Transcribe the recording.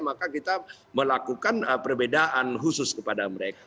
maka kita melakukan perbedaan khusus kepada mereka